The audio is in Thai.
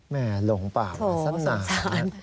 แหม่หลงเปล่าสนาน